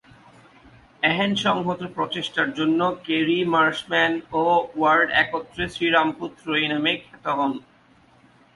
এহেন সংহত প্রচেষ্টার জন্য কেরি, মার্শম্যান ও ওয়ার্ড একত্রে শ্রীরামপুর ত্রয়ী নামে খ্যাত হন।